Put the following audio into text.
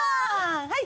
はい！